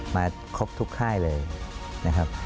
มาครบทุกค่ายเลยนะครับ